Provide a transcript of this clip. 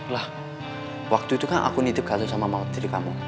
lah waktu itu kan aku nitip kartu sama mawetri kamu